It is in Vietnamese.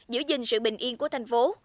giữ gìn sự bình yên của thành phố